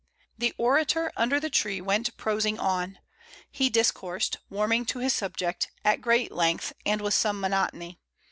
The orator under the tree went prosing on. He discoursed, warming to his subject, at great length and with some monotony.